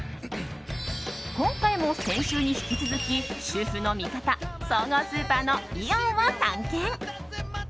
今回も、先週に引き続き主婦の味方総合スーパーのイオンを探検！